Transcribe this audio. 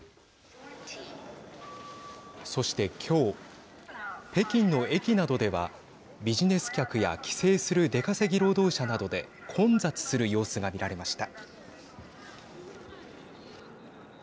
そして今日、北京の駅などではビジネス客や帰省する出稼ぎ労働者などで混雑する様子が見られました。